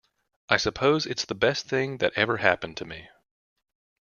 I suppose it's the best thing that ever happened to me.